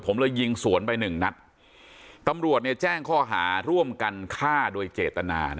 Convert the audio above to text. ผมเลยยิงสวนไปหนึ่งนัดตำรวจเนี่ยแจ้งข้อหาร่วมกันฆ่าโดยเจตนา